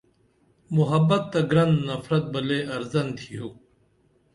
محبت تہ گرن نفرت بہ لے ارزن تِھیو